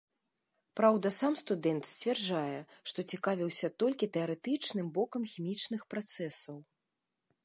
Праўда, сам студэнт сцвярджае, што цікавіўся толькі тэарэтычным бокам хімічных працэсаў.